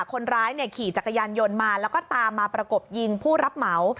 คนร้ายขี่จักรยานยนต์มาแล้วก็ตามมาประกบยิงผู้รับเหมา